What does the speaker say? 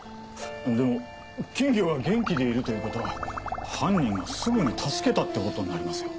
でも金魚が元気でいるという事は犯人がすぐに助けたっていう事になりますよ。